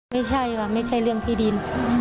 ไม่ใช่ค่ะไม่ใช่เรื่องที่ดิน